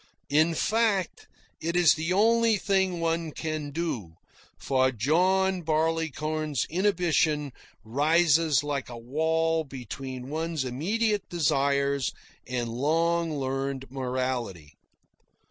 In fact, it is the only thing one can do, for John Barleycorn's inhibition rises like a wall between one's immediate desires and long learned morality.